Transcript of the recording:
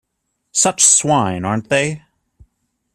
Such swine, aren't they?